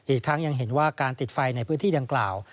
อีกทั้งยังเห็นว่าการติดไฟในพื้นที่ดังกล่าว